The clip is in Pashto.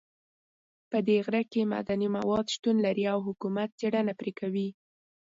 په دې غره کې معدني مواد شتون لري او حکومت څېړنه پرې کوي